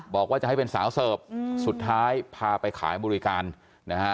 บอกว่าจะให้เป็นสาวเสิร์ฟสุดท้ายพาไปขายบริการนะฮะ